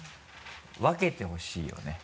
分けてほしいよね。